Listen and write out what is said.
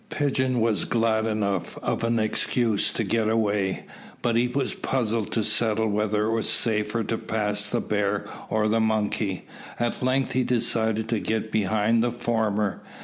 Pigeon was glad enough of an excuse to get away, but he was puzzled to settle whether it was safer to pass the bear or the monkey. At length he decided to get behind the former.